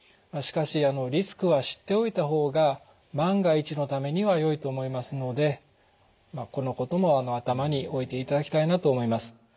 しかしリスクは知っておいた方が万が一のためにはよいと思いますのでこのことも頭に置いていただきたいなと思います。